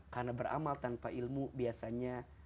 karena beramal tanpa ilmu biasanya